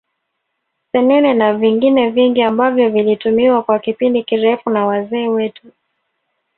Senene na vingine vingi ambavyo vilitumiwa kwa kipindi kirefu na wazee wetu